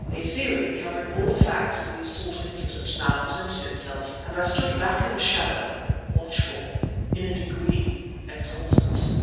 A theory, covering all the facts of the assault incident, now presented itself, and I stood back in the shadow, watchful; in a degree, exultant.